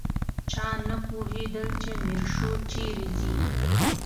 چا نه پوهېدل چې میرشو چیرې ځي.